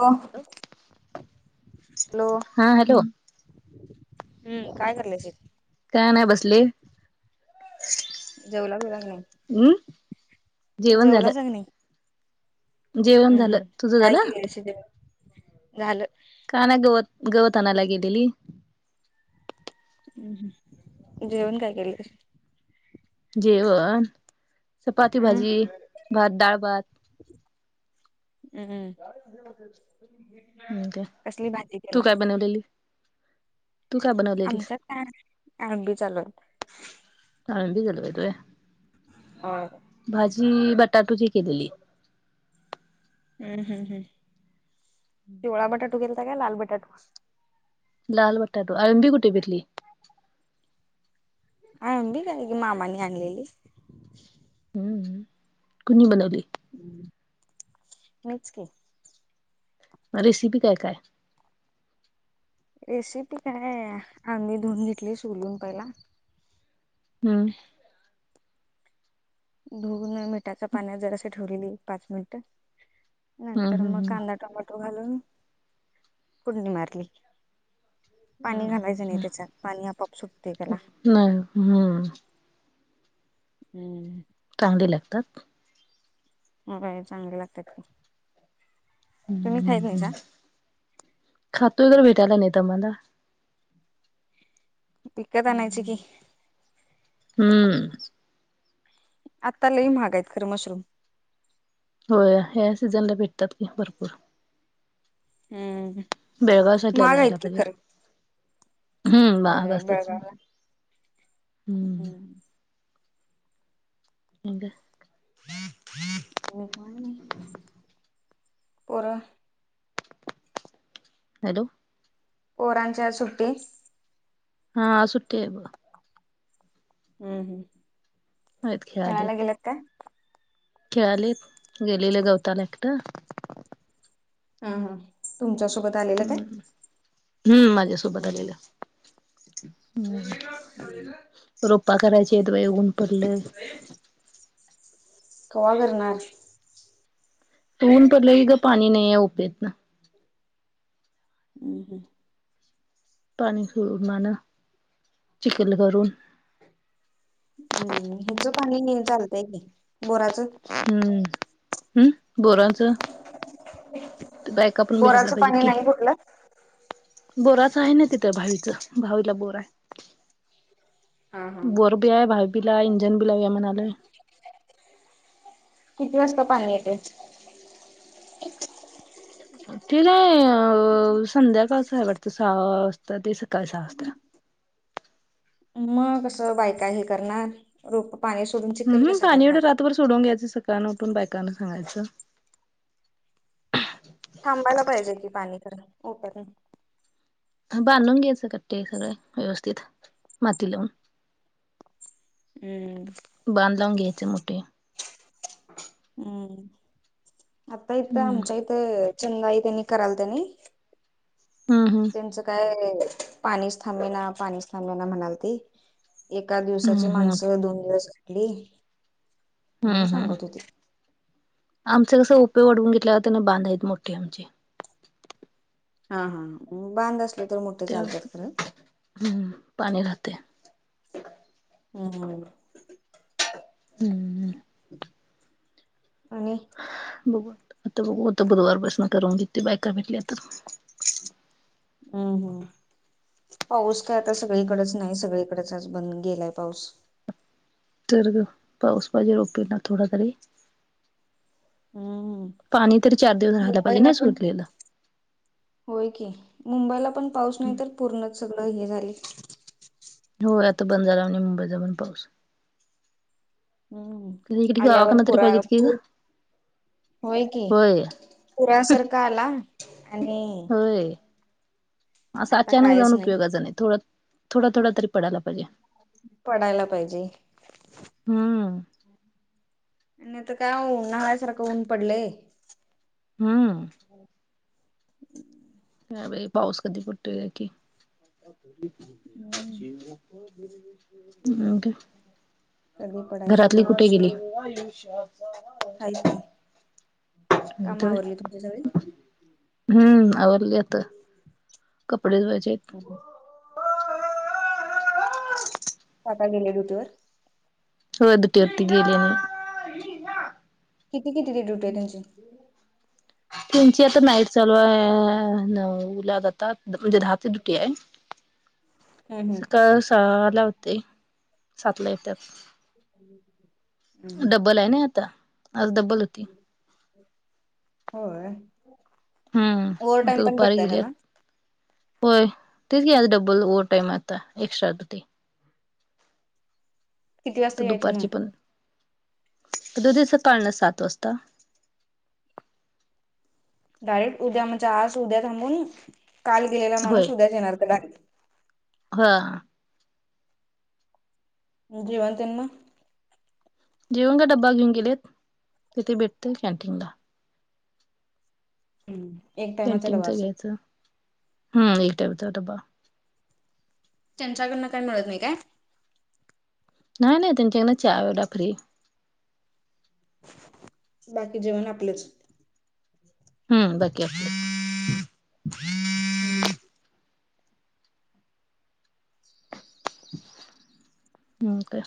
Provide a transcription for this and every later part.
Hello hello हा hello हम्म काय [unintelligible] काय नाही बसले जेवला बिवला काय हम् जेवण झालं जेवलासा काय नाही जेवण हम्म झालं हम् तुझं काय झालं केलाईसा जेवण झालं का नाय गवत गवत आनायला गेलेली हम् जेवण काय केलय जेवण चपाती अं भाजी भात डाळ भात हम्म हम्म काय कसली भाजी तू केला काय बनवलेली तू काय बनवलेलीस आमच्या काय आगबी चालूल [unintelligible] होय होय भाजी बटाटूची केलेली हम् हम् हम् हम् पिवळा बटाटू केलता काय लाल बटाटू लाल बटाटू आळंबी कुठे भेटली आळंबी काय की मामांनी आणलेली हम्म कुणी बनवली हम मीच की म रेसिपी काय काय रेसिपी काय [inaudible] धुन घेतली सोलून पहिला हम् धुवन मिठाच पाण्यात जरास ठेवलेली पाच मिनिटं हम्म नंतर मग हम्म कांदा टोमॅटो घालून कुंडडी मारली पाणी हम् घालायचं नाही त्याच्यात पाणी आपाआप सुटतय त्याला नाही हम्म हम्म चांगली लागतात होय चांगले लागतात की हम्म तुम्ही हम् खायत नाहीसा हम् खातोय तर भेटायला नाहीत आम्हाला पिकत आनायच की हम्म आत्ता लई महागाय आहेत खरं मशरूम होय ह्या सीझनला भेटतात की भरपूर हम् बेळगाव साईटला जायला पाहिजे हम्म बाग होय असतच बेळगावला हम्म हम्म ह का [unintelligible] आणि परा [inaudible] हॅलो पोरांच्या सुट्टी. हा आज सुट्टी हाय. हम्म हम् आहेत खेळायला खेळालेत गेलेत का? खेळालेत गेलेले गवताला एकटं- हा हा तुमच्यासोबत आलेलं काय? हम्म हम्म माझ्यासोबत आलेलं. हम्म रोपा करायचे बाई उन पडलंय कवा करणार हायस? ऊन पडलं की ग पाणी नाही आहे उपेत ना. हम् हं पाणी सिडून मान चिकल करून, हम्म ह्याचं पाणी चालतंय बोराच. हम्म हम्म बोरायचं. ते बायका पण भेटयला बोराचं पाहिजे पाणी की, नाही कुठलं बोराच आहे ना तिथंबाहेरच भावीला बोरा आहे. हा हा बोर भी आहे भात बलाय इंजन बला बया म्हणायचं. किती वाजता पाणी येते. ते नाही अ संध्याकाळ आहे वाटतं सहा वाजता ते सकाळी सहा. मग कसं बायका हे करणार रोप पाणी सोडून चिखल हम् हम कसं पाणी एवढं करणार. रातभर सोडून घ्यायचं सकाळं उठून बायकांना सांगायचं. थांबायला पाहिजे की पाणी खरं उपर- बांधून घ्यायचं कट्टे सगळे व्यवस्थित माती. हम्म बांध लावून घ्यायचे मोठे. हम्म आता इथं हम्म आमच्या इथं चंदाही त्यांनी कराल त्यांनी, हम हम त्यांचं काय पाणी थांबेना, पाणीथांबेना म्हणाल ती एका दिवसाची हम्म हम्म माणसं दोन दिवसली म्हणून सांगत होती. आमचे कसं उपय वाढवून घेतलेवरते बांध आहेत मोठे आमचे. हा हा मग बांधच लागतं तर मोठ- ते हम्म पाणी राहते. हम्म्म हम्म हम्म आणि बघू आता बघूता बुधवार बसुन करून घेते बायका भेटली तर- हम्म हम्म पाऊस काय आता सगळीकडेच. नाही सगळीकडेच आज बंद गेलाय पाऊस. तर गं पाऊस पाहिजे रोपे ना थोडा तरी, हम्म हम्म पाणी तरी चार दिवस राहिला पाहिजे नाही सुटलेलं होय की मुंबईला पण पाऊस नाही तर पूर्णच सगळं हे झाले. होय आता बंद झाला मुंबईचा पण पाऊस. हम्म इकडे आल्यावर गावाकडनं तरी पुरा पाहिजेत की [inaudible] ग होय की होय पुरासारखा आला आणि होय, असं आता अचानक जाऊन कायच उपयोगाचा नाही थोडं थोड थोडा तरी पडायला पाहिजे. पडायला पाहिजे. हम्म. आणि आता काय होऊन उन्हाळ्यासारखं ऊन पडलंय हम्म. ह पाऊस कधी पडतो का की हम्म कधी [inaudible] पडायचा घरातली कुठे पाऊस गेली? काय [inaudible] माहित आहेत की काम तर. आवरली तुमची सगळी हम्म आवडली आता कपडे धुवायची आहेत. ह काका गेले दु तवर हो ड्युटी वरती गेल्यात. किती किती ते ड्युटी आहे त्यांुची त्यांची आता नाईट चालव न उला जातात म्हणजे दहा ड्युटी आहे हम्म हम्म सकाळ साला होते साातल्या येत्यात अम् आहे ना आता. आज डब्बल होती होय, हम्म ओवर टाइम आता पण दुपारी भेटतय का गेलेत त्यांना? होय तेच की आज डब्बल ओवर टाइम आता एक्स्ट्रा. किती वाजता तू यायचं मग दुपारची पण उद्या सकाळना सात वाजता. डायरेक्ट उद्या म्हणजे आज उद्या थांबून काल गेलेला होय माणूस उद्याच येणार का डायरेक्ट. हा. जेवन तेन मग. जेवण काय डब्बा घेऊन गेलेत तेथे भेटतील कॅन्टीनला. हम्म ए. कॅन्टीनचं घ्यायचं हम्म एक टाईमचा डब्बा. त्यांच्याकडनं काय मिळत नाही काय. नाही नाही त्यांच्याकडंन चहा एवढा फ्री. बाकी जेवण आपलंच. हम्म बाकी आपलं. हम्म. ह का.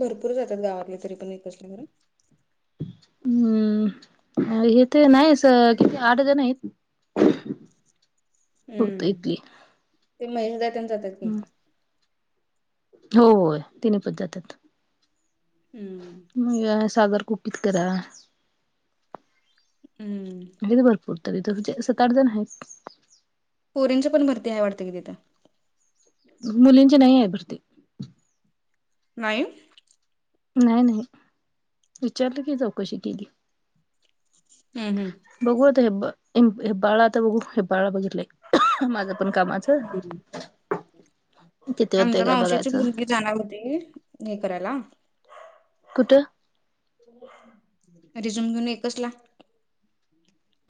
भरपूर जातात गावातले तरी पण एकत्री [unintelligible] हम्म हे ते नाही असं किती आठ जण आहेत. फक्त हम्म इथली ते महेशदा तेन जातात की. हो तेनी पण जात्यात. हम्म. मग या सागर कुपीत करा. हम्म. [unintelligible] भरपूर तरी सात, आठ जण आहेत. पोरींची पण भरती हाय वाटतं की तिथं. मुलींची नाहीय आहे भरती. नाही. नाही नाही. विचारलं की चौकशी केली. हम् हम्, बघू आता हे ब्बाळा आता बघू हे ब्बाळा बघितलंय. माझ पण कामाचं हम्म किती होतय आमच्या का मावशीची बघायचं. मुलगी जाणार होती. हे करायला. कुठं रिझूम घेऊन एकच ला.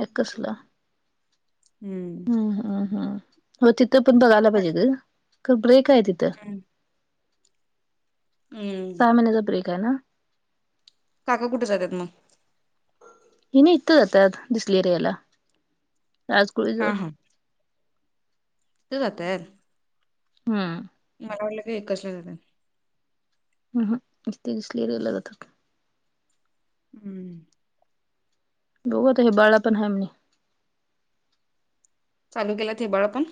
एक कसला. हम्म, हम्म हम्म, हो तिथं पण बघायला पाहिजेत ग क ब्रेक आहे तिथं. हम्, सहा महिन्याचा ब्रेक आहे ना, काका कुठं जात्यात मग. ह्यानी इथं जात्यात दिसलेरियाला राजकुळीजवळ. तिथं जात्यात. हम्म, मला वाटलं काय एकसला जात्यात. हम् हम, इथं दिसलेरीला जातात. हम्, बघू आता हे बाळा पण हाय म्हणे. चालू केल्यात हे बाळ पण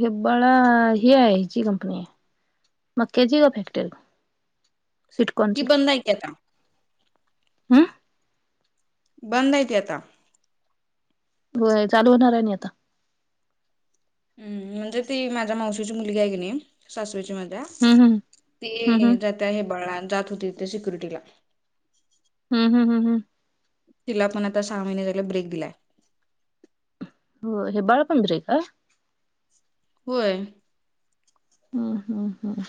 हेब्बाळा ही आहे हिची कंपनी आहे. मंक्याची आहे का फॅक्टरी. ती स्वीटकॉर्नची. बंद आहे की आता बंद आहे ती आता. होय. चालू होणार आहे नी आता. हम्म, म्हणजे ती माझ्या मावशीची मुलगी आहे की नाही सासरेची माझ्या हम्म हम्म. हम्म ते हम्म जाताये हेब्बाळा जात होती ते सिक्युरिटीला. हम् हम हम हम, तिला पण आता सहा महिने झाले ब्रेक दिलाय. होय. हेब्बाळपण ब्रेक आय. होय. हा हा हा,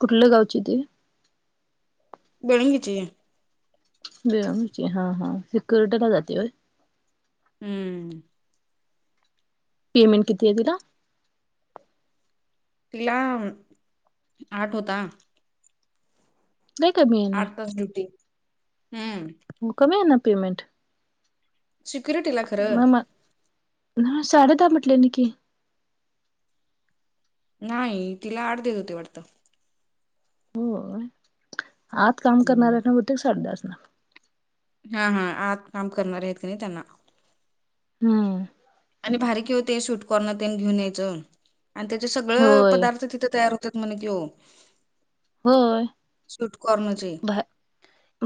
कुठल्या गावची ती बिळंगीची बिळंगीची हा हा [unintelligible] वय हम्म, पेमेंट किती आहे तिला. तिला आठ होता. लय कमी आहे. ना. आठ तास ड्युटी हम्म, कमी आहे ना पेमेंट सिक्युरिटीला खरं म म हा साडे दहा म्हटलेल की. नाही तिला आठ देत होते वाटत. हो आत काम करणाऱ्यांना हम्म बहुतेक साडेदाहा असणार. हा हा आत काम करणार आहेत कानी त्यांना हम्म आणि भारी की ओ ते स्वीटकॉर्न तेन घेऊन यायचं आणि त्याचे सगळं होय पदार्थ तिथं तयार हो तात म्हण कि ओ. होय स्वीट कॉर्नचे भा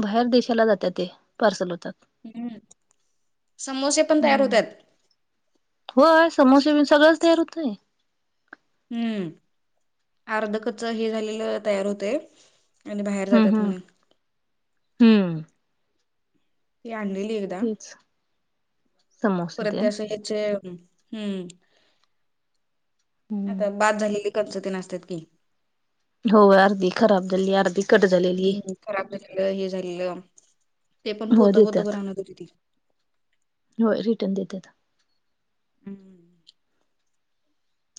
बाहेर देशाला जातात ते पार्सल होतात. हम्म समोसे पण तयार हम्म. होतात. होय समोसे सगळंच तयार होतय? हम्म. अर्ध कच्च हे झालेलं तयार होतय. आणि बाहेर हम्म जातात हम्म. म्हण. हम्म. ती आणलेली एकदा तेच समोसे परत ते तेन. असं चे हम् हम्म. आता बाद झालेली कंस तेन असत्यात की हो अर्धि खराब झाली आर्धि हम्म खराब झालेलं हे झालेलं ते पण होय पोत पोत देत्यात. भर आणत होती ती. होय रिटर्न देत्यात. हम्म.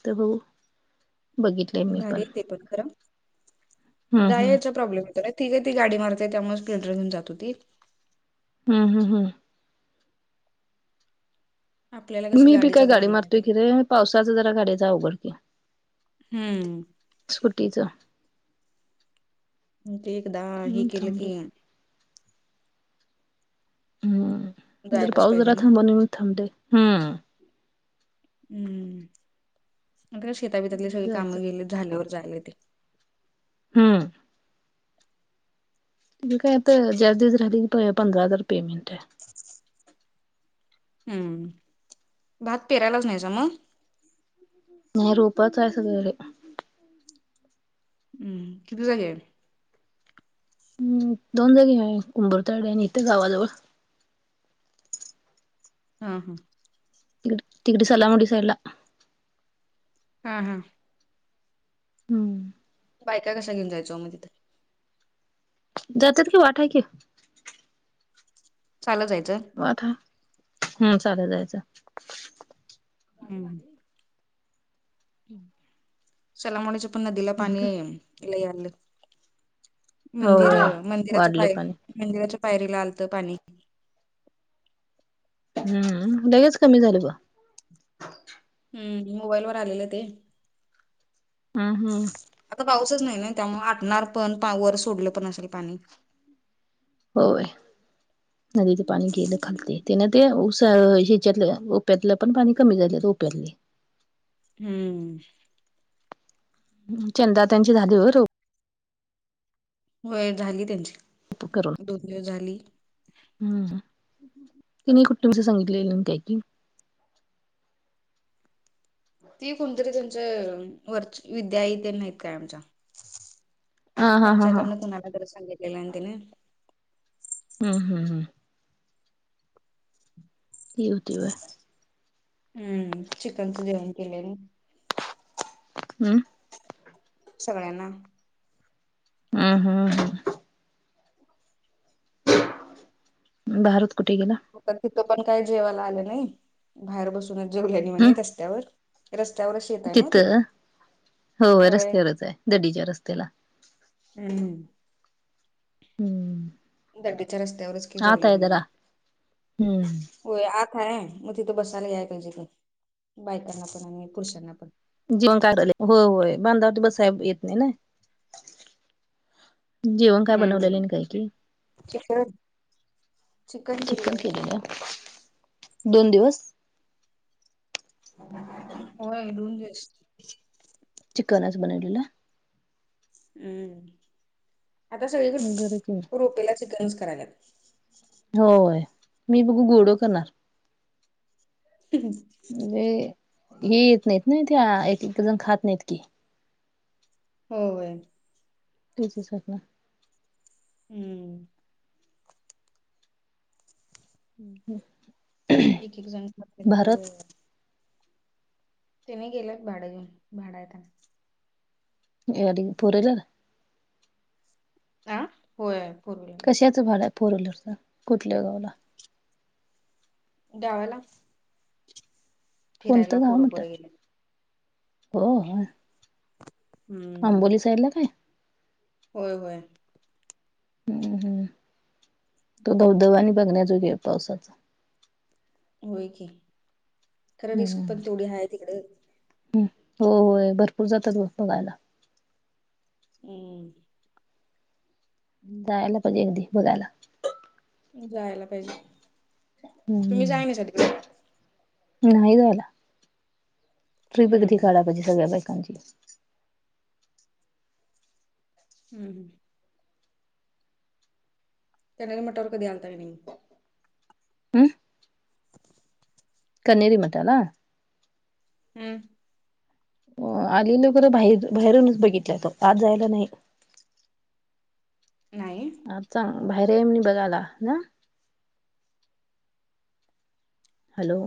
तर बघू बघितलय मी पण. हे पण खरं हम्म हम्म. जायचं प्रॉब्लेम होता नी तीघ ती गाडी मारते त्यामुळेच स्प्लेंडर घेऊन जात होती. हम् हम हम्. आपल्याला कसं मी बी गाडीचा काय गाडी प्रॉब्लेम मारतोय येतो. कि रे पावसाच जरा गाडीच अवघड होतय. हम्म. स्कुटीचा ते एकदा हे हम्म केलं की थांबलोय. हम्म जर जायलाच पाऊस पाहिजे जरा ना. [unintelligible] हम् हम्म आता का शेताबितातली सगळी जायचं कामं गेली झाल्यावर जायला येतय. हम्म. ती काय आता [unintelligible] पंधरा हजार पेमेंट आहे. हम्म भात पेरायलाच नाहीसा मग? नाही रोपच हाय सगळे. हम्म किती जागे हाय? हम दोन जागी आहे कंबरताडे आणि इथे गावाजवळ. हा हा. तिकड तिकडी सला मुडी सईडला. हा हा. हम्म. बायका कस घेऊन जायचो ओ मग तथं? जातात कि वाट आहे कि. चालत जायचं? आता हम् चालत जायचं. हम्म. हम्म. चलामणीचं पण नदीला पाणी आहे, लय यालं मंदिर, होय मंदिराच्या वाढले पाय पाणी मंदिराच्या पायरीला आलतं पाणी. हम्म, लगेच कमी झालं ग हम्म, मोबाईल वर आलेलं ते. हम्म हम्म. आता पाऊसच नाही ना, त्यामुळे आटणार पण वर सोडलं पण असल पाणी. होय, नदीच पाणी गेलं खालते तेन ते उस त, ओप्यातलं पण पाणी कमी झालं ओप्यातलं. हम्म. चंदा त्यांची झाली बर होय झाली त्यांची, करून दोन दिवस झाली. हम्म, तिने कुटुंबच सांगितलेलं काय की. ती कोणतरी तुमचं, वरच विद्या आई तन नाहीत काय आमच्या हा हा हा हा त्यांच्याकडनं कुणाला तरी सांगितलेलं आहे तिनं हम्म हम्म हम्म. हि होती वय हम्म, चिकनच जेवण केलय मी हम्म. सगळ्यांना. हं हम्म. भारत कुटे गेला? आता तिथं पण काही जेवायला आलं नाही, बाहेर बसूनच जेवले ना हम्म म्हणे रस्त्यावर. रस्त्यावरच शेतय नवं ते, तिथं होय वय रस्त्यावरच आहे दडीच्या रस्त्याला हम्मम. हम्म. दडीच्या रस्त्यावरच की आत जेवली आहे म्हणू जरा हम्म होय आत हाय, मग तिथं बसायला याय पायजे की, बायकांना पण आणि पुरुषांना पण. जीवन काय झाले, होय होय बांधावती बसाय येत नाही ना. जेवण काय बनवलेले हम्म अन काय कि, चिकन चिकन केलेय का दोन दिवस ह होय दोन दिवस. चिकनच बनवलेलं. हम्म, आता बरं की सगळीकडं रोपेला चिकनच करायल्यात. होय, मी बघू गोडं करणार. ह म्हणजे, हे येत नाहीत ना त्या, एक एक जण खात नाहीत की. होय होय. तेच सवपना [unintelligible] हम्म. हम्म हम्म. एक एक जण सत करा [unintelligible] तनी गेलेत भाडं घेऊन, भाडय आता एअरिंग पुरे दादा हा होय पूर्वेला तुम्हाला फोरविलरच कुठल्या गावला गावाला कोणत फिरायला गाव पोरं म्हटल पोरं गेल्यात. हो हो हम्म अंबोली साईड ला काय होय होय हू हू तो धबधबा आणि बघण्याजोगे आहे पावसाचा होय की खरं रिस्क पण तेवढी हाय तिकड हू हो होय भरपूर जातात बघायला हू जायला पाहिजे एकदी बघायला जायला पाहिजे तुम्ही जायय हम्म नाहीसा तिकड नाही जायला ट्रीप एकदी हम्म काढाय पाहिजे सगळ्या बाईकांची हू हू कणेरी मठावर कधी आलता काय नाही हू [inaudible] कणेरी मठाला हू आलेलो खरं बाहेर बाहेरूनच बघितलंय फक्त आत जायला नाही नाही आत जा भारी आहे म्हणे बघायला हॅलो